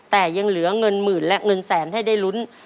แต่ยังเหลือเงินหมื่นและเงินแสนให้ได้ลุ้น